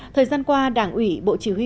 thời gian qua đảng ủy bộ chỉ huy